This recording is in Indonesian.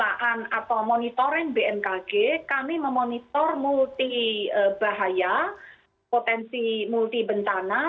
dalam pengelolaan atau monitoren bmkg kami memonitor multi bahaya potensi multi bentana